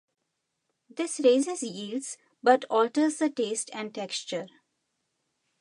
This raises yields, but alters the taste and texture.